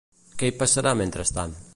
Què hi passarà mentrestant?